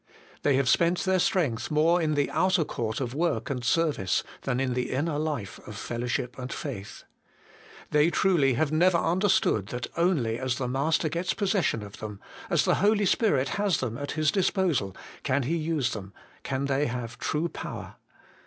They have spent their strength more in the outer court of work and service, than in the inner life of fellowship and faith. They HOLINESS AND SERVICE. 239 truly have never understood that only as the Master gets possession of them, as the Holy Spirit has them at His disposal, can He use them, can they have true power.